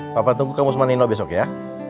papa tunggu kamu sama nino besok ya